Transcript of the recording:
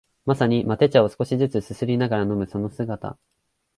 まさにマテ茶を少しづつすすりながら飲むその姿